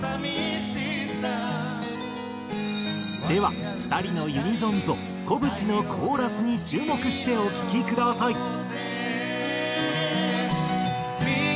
では２人のユニゾンと小渕のコーラスに注目してお聴きください。